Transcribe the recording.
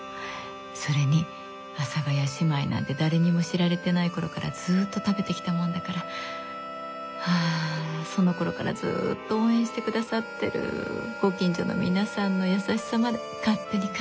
それに阿佐ヶ谷姉妹なんて誰にも知られてない頃からずっと食べてきたもんだからあそのころからずっと応援して下さってるご近所の皆さんの優しさまで勝手に感じたりして。